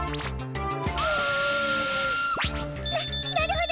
ななるほど。